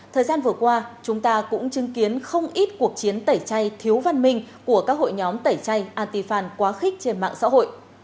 thời gian vừa qua chúng ta cũng chứng kiến không ít cuộc chiến tẩy chay thiếu văn minh của các hội nhóm tẩy chay atifan quá khích trên mạng xã hội